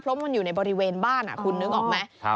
เพราะมันอยู่ในบริเวณบ้านคุณนึกออกไหม